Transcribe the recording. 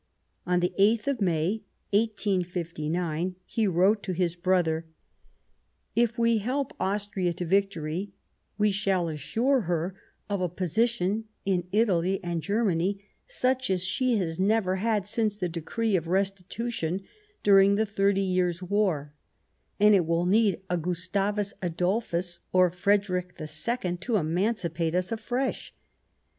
On the 8th of May, 1859, he wrote to his brother :" If we help Austria to 48 The First Passage of Arms victory we shall assure her a position in Italy and Germany such as she has never had since the decree of restitution during the Thirty Years' War, and it will need a Gustavus Adolphus or a Frederick II to emancipate us afresh.